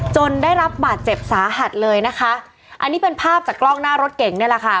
ได้รับบาดเจ็บสาหัสเลยนะคะอันนี้เป็นภาพจากกล้องหน้ารถเก่งนี่แหละค่ะ